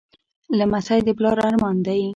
لمسی د پلار ارمان دی.